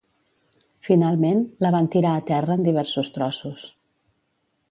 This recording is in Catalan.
Finalment, la van tirar a terra en diversos trossos.